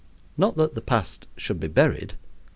Not that the past should be buried.